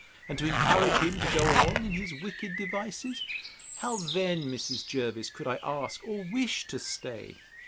and to encourage him to go on in his wicked devices?—How then, Mrs. Jervis, could I ask or wish to stay?